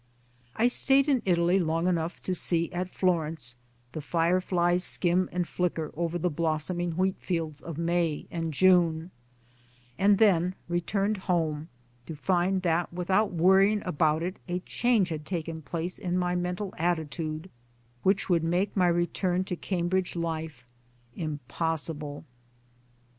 I stayed in Italy long enough to see, at Florence, the fireflies skim and flicker over the blossoming wheat fields of May and June, and then returned home, to find that without worrying about it a change had taken place in my mental attitude which would make my return to the Cambridge life impossible.